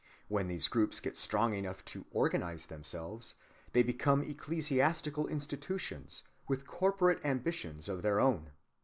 When these groups get strong enough to "organize" themselves, they become ecclesiastical institutions with corporate ambitions of their own.